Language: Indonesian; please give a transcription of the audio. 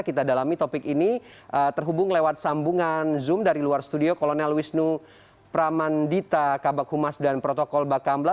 kita dalami topik ini terhubung lewat sambungan zoom dari luar studio kolonel wisnu pramandita kabak humas dan protokol bakamla